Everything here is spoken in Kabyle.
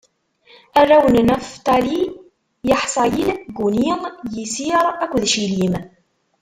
Arraw n Naftali: Yaḥṣayil, Guni, Yiṣir akked Cilim.